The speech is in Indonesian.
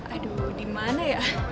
aduh di mana ya